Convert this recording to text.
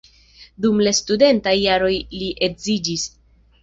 Dum la studentaj jaroj li edziĝis.